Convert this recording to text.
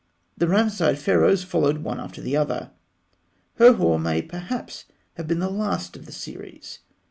The Ramesside Pharaohs followed one after the other. Herhor may perhaps have been the last of the series.